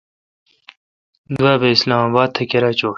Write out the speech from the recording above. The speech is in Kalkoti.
دوابھ اسلام اباد تھ کیرا چوں ۔